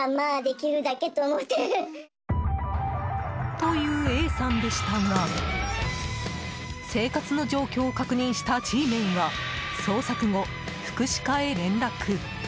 というＡさんでしたが生活の状況を確認したＧメンは捜索後、福祉課へ連絡。